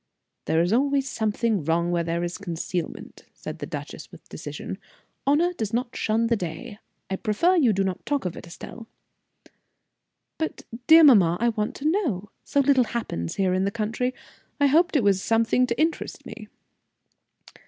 "There is always some wrong where there is concealment," said the duchess, with decision. "Honor does not shun the day. I prefer you do not talk of it, Estelle." "But, dear mamma, I want to know. So little happens here in the country, I hoped it was something to interest me."